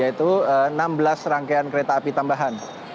yaitu enam belas rangkaian kereta api tambahan